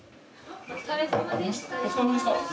お疲れさまでした。